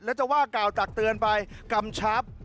แล้วจะว่ากล่าวตักเตือนไปกำชับ